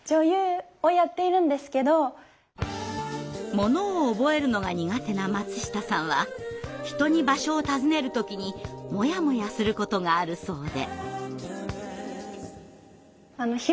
ものを覚えるのが苦手な松下さんは人に場所を尋ねる時にモヤモヤすることがあるそうで。